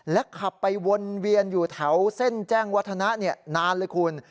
ขับไปวนเวียนอยู่แถวเส้นแจ้งวัฒนะนานเลยคุณ